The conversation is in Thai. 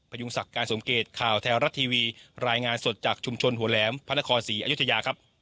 ยุงศักดิ์การสมเกตข่าวแท้รัฐทีวีรายงานสดจากชุมชนหัวแหลมพระนครศรีอยุธยาครับ